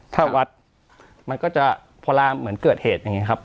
ถ้าวัดมันก็จะพอลาเหมือนเกิดเหตุอย่างนี้ครับ